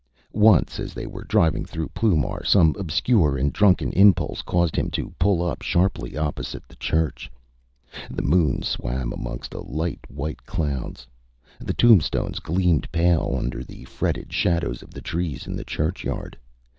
Once, as they were driving through Ploumar, some obscure and drunken impulse caused him to pull up sharply opposite the church. The moon swam amongst light white clouds. The tombstones gleamed pale under the fretted shadows of the trees in the churchyard.